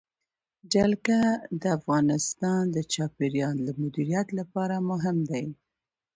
جلګه د افغانستان د چاپیریال د مدیریت لپاره مهم دي.